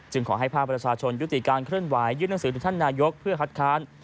ขอให้ภาคประชาชนยุติการเคลื่อนไหวยื่นหนังสือถึงท่านนายกเพื่อคัดค้าน